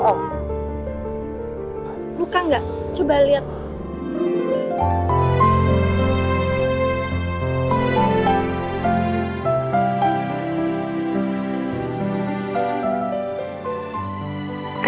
aku mau ke kamar